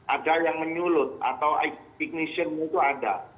ada yang menyulut atau ignition itu ada